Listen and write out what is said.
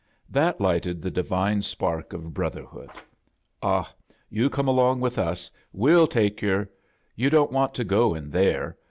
That lighted the divine spark of broth erhood! "Ah, you come along with us — we*n take yer! You don't want to go in there.